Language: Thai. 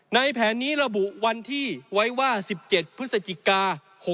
แผนนี้ระบุวันที่ไว้ว่า๑๗พฤศจิกา๖๖